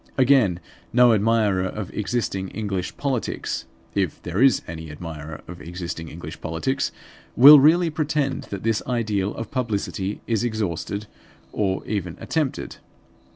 Again, no admirer of existing English politics (if there is any admirer of existing English politics) will really pretend that this ideal of publicity is exhausted, or even attempted.